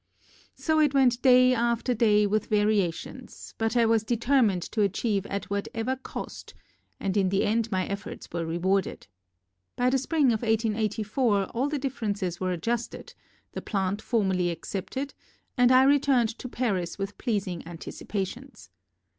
So it went day after day with variations, but I was determined to achieve at what ever cost and in the end my efforts were rewarded. By the spring of 1884 all the differences were adjusted, the plant formal ly accepted, and I returned to Paris with pleasing anticipations.